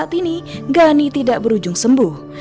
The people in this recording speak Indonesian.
saat ini gani tidak berujung sembuh